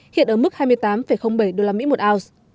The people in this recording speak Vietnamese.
hiện ở mức hai mươi tám bảy usd một ounce